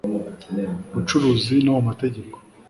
bucuruzi no mu mategeko